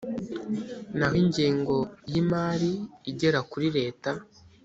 naho ingengo y imari igera kuri leta